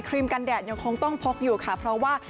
กันแดดยังคงต้องพกอยู่ค่ะเพราะว่า